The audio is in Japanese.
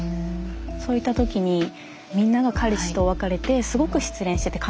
そういった時にみんなが彼氏と別れてすごく失恋してて悲しそう。